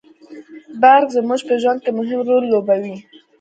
برق زموږ په ژوند کي مهم رول لوبوي